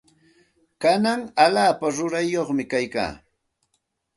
Kanaqa allaapa rurayyuqmi kaykaa.